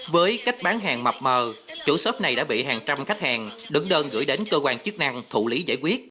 với cách bán hàng mập mờ chủ shop này đã bị hàng trăm khách hàng đứng đơn gửi đến cơ quan chức năng thụ lý giải quyết